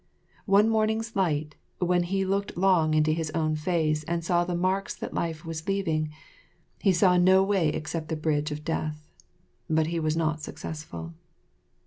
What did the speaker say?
One morning's light, when he looked long into his own face and saw the marks that life was leaving, he saw no way except the Bridge of Death; but he was not successful.